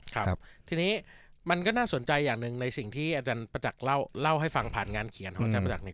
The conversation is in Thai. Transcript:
ครับทีนี้มันก็น่าสนใจอย่างหนึ่งในสิ่งที่อาจารย์ประจักษ์เล่าให้ฟังผ่านงานเขียนของอาจารย์ประจักษ์